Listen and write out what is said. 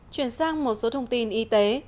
chuyển sang một số thông tin y tế